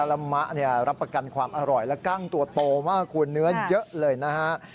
ละมะเนี่ยรับประกันความอร่อยและกั้งตัวโตมากคุณเนื้อเยอะเลยนะฮะ